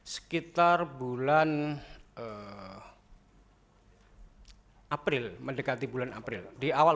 sekitar bulan april mendekati bulan april